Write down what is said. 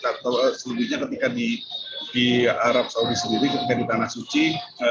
atau sebelumnya ketika di arab saudi sendiri ketika di tanah suci